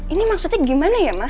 ini maksudnya gimana ya mas